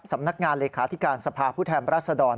สำนักงานเลขาธิการสภาพผู้แทนรัศดร